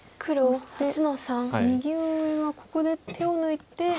右上はここで手を抜いて。